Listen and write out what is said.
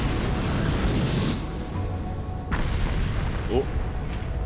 おっ。